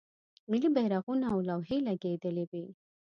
ملی بیرغونه او لوحې لګیدلې وې.